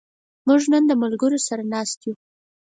موږ نن د ملګرو سره ناست یو.